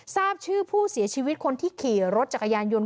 ทราบชื่อผู้เสียชีวิตคนที่ขี่รถจักรยานยนต์